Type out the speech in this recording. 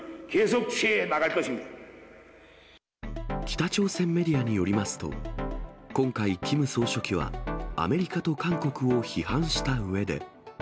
北朝鮮メディアによりますと、今回、キム総書記はアメリカと韓国を批判したうえで。